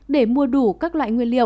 để mua đủ các loại nguyên liệu